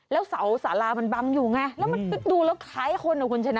แล้วเสาสารามันบังอยู่ไงแล้วมันก็ดูแล้วคล้ายคนอ่ะคุณชนะ